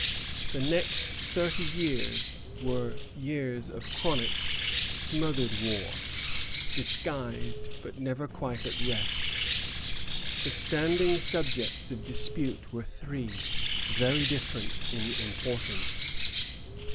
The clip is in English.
The next thirty years were years of chronic, smothered war, disguised, but never quite at rest. The standing subjects of dispute were three, very different in importance.